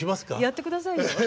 やってくださいよ。